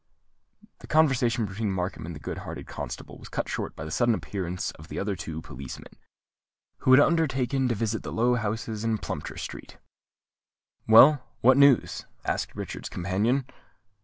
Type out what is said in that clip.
The conversation between Markham and the good hearted constable was cut short by the sudden appearance of the other two policemen, who had undertaken to visit the low houses in Plumptre Street. "Well, what news?" asked Richard's companion.